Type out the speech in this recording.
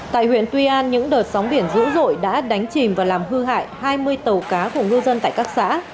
tại huyện tuy an những đợt sóng biển dữ dội đã đánh chìm và làm hư hại hai mươi tàu cá của ngư dân tại các xã